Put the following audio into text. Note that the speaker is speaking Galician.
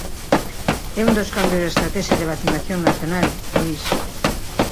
É un dos cambios da estratexia de vacinación nacional, Luís.